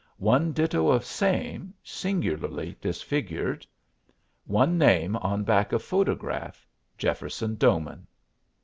One ditto of same, singularly disfigured. One name on back of photograph "Jefferson Doman."